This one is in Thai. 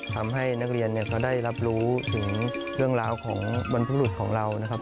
ทำให้นักเรียนเขาได้รับรู้ถึงเรื่องราวของบรรพบุรุษของเรานะครับ